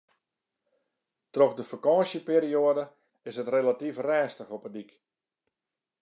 Troch de fakânsjeperioade is it relatyf rêstich op 'e dyk.